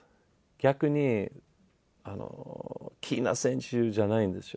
逆にキーな選手じゃないんですよ。